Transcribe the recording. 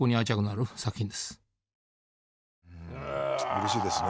うれしいですね。